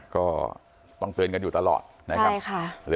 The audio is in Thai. ก็ต้องเตือนกันอยู่ตลอดนะครับใช่ค่ะ